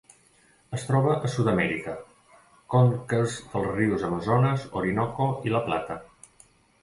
Es troba a Sud-amèrica: conques dels rius Amazones, Orinoco i La Plata.